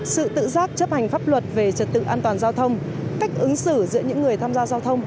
sự tự giác chấp hành pháp luật về trật tự an toàn giao thông cách ứng xử giữa những người tham gia giao thông